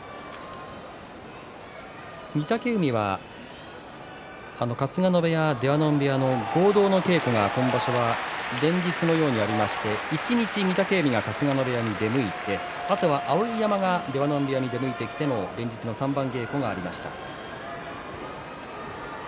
御嶽海は春日野部屋、出羽海部屋の合同稽古は今場所連日のようにありまして一日御嶽海が春日野部屋に出向いて碧山が出羽海部屋に出向いての連日の三番稽古がありました。